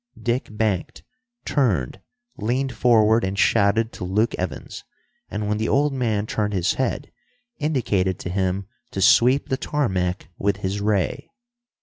Dick banked, turned, leaned forward and shouted to Luke Evans, and, when the old man turned his head, indicated to him to sweep the tarmac with his ray.